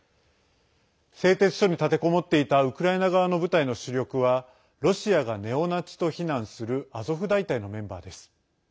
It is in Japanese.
製鉄所に立てこもっていたウクライナ側の部隊の主力はロシアがネオナチと非難するアゾフ大隊のメンバーです。